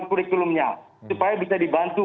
kurikulumnya supaya bisa dibantu